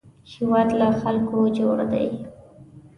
هېواد له خلکو جوړ دی